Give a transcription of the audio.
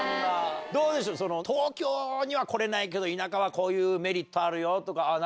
どうでしょう、東京には来れないけど、田舎はこういうメリットあるよとかある？